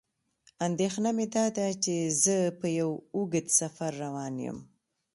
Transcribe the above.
اندېښنه مې داده چې زه په یو اوږد سفر روان یم.